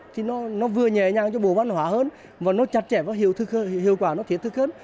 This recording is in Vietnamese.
thì nó vừa nhẹ nhàng cho bộ văn hóa hơn và nó chặt chẽ và hiệu quả nó thiết thức hơn